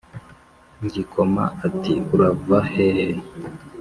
Ngikoma ati urava hehe